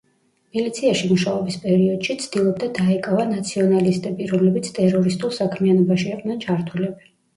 მილიციაში მუშაობის პერიოდში, ცდილობდა დაეკავა ნაციონალისტები, რომლებიც ტერორისტულ საქმიანობაში იყვნენ ჩართულები.